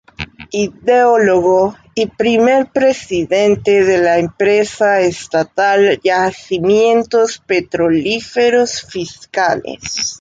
Ideólogo y primer presidente de la empresa estatal Yacimientos Petrolíferos Fiscales.